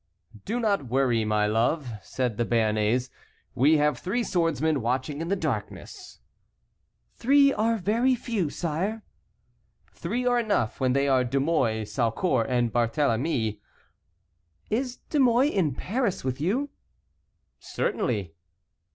"Do not worry, my love," said the Béarnais, "we have three swordsmen watching in the darkness." "Three are very few, sire." "Three are enough when they are De Mouy, Saucourt, and Barthélemy." "Is De Mouy in Paris with you?" "Certainly."